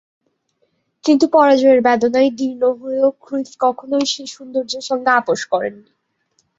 কিন্তু পরাজয়ের বেদনায় দীর্ণ হয়েও ক্রুইফ কখনো সেই সৌন্দর্যের সঙ্গে আপস করেননি।